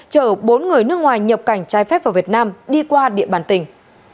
chở bốn người nước ngoài nhập cảnh trái phép vào việt nam đi qua địa bàn tỉnh